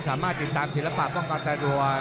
สามารถติดตามศิลปะป้องกันตานัว